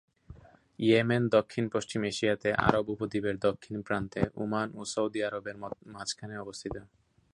Yemen দক্ষিণ-পশ্চিম এশিয়াতে Arab উপদ্বীপের দক্ষিণ প্রান্তে ওমান ও সৌদি আরবের মধ্যখানে অবস্থিত।